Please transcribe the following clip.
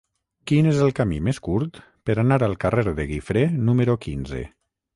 Quin és el camí més curt per anar al carrer de Guifré número quinze?